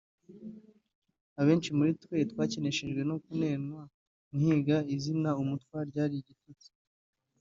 Abenshi muri twe twakeneshejwe no kunenwa Nkiga izina umutwa ryari igitutsi